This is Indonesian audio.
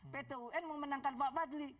ptun memenangkan pak manli